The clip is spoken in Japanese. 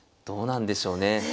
どうなんでしょうね？